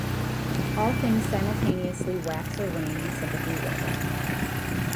All things simultaneously wax or wane in sympathy with it.